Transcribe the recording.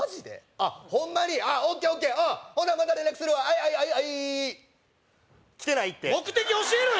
あっホンマにＯＫＯＫうんほなまた連絡するわあいあいあいあい来てないって目的教えろよ